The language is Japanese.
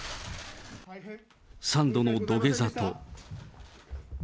３度の土下座と。